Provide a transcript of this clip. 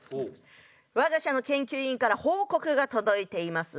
我が社の研究員から報告が届いています。